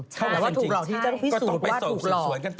แต่ว่าถูกหลอกที่จะพิสูจน์ว่าถูกหลอก